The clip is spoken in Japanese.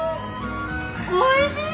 おいしい！